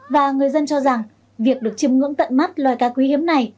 và người dân cho rằng việc được chiêm ngưỡng tận mắt loài cá quý hiếm này